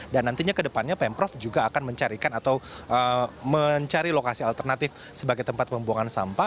dan nantinya ke depannya pemprov juga akan mencarikan atau mencari lokasi alternatif sebagai tempat pembuangan sampah